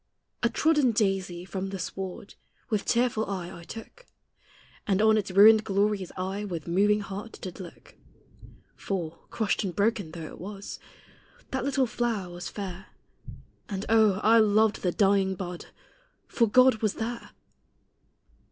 A trodden daisy, from the sward, With tearful eye I took, And on its ruined glories I, With moving heart, did look; For, crushed and broken though it was, That little flower was fair; And oh! I loved the dying bud, For God was there!